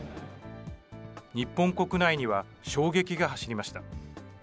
日本国内には衝撃が走りました。